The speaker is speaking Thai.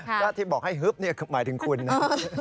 แล้วที่บอกให้ฮึบหมายถึงคุณนะ